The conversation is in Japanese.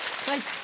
はい。